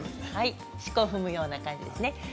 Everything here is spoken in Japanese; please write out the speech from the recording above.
しこを踏むような感じです。